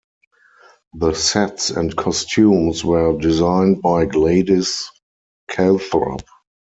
The sets and costumes were designed by Gladys Calthrop.